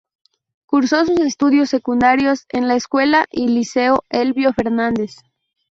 Cursó sus estudios secundarios en la Escuela y Liceo Elbio Fernández.